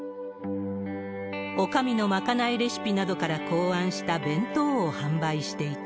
おかみの賄いレシピなどから考案した弁当を販売していた。